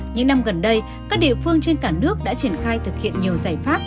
những năm gần đây các địa phương trên cả nước đã triển khai thực hiện nhiều giải pháp